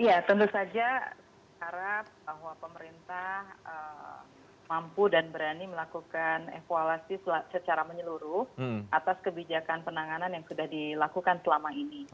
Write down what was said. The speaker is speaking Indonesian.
iya tentu saja harap bahwa pemerintah mampu dan berani melakukan evaluasi secara menyeluruh atas kebijakan penanganan yang sudah dilakukan selama ini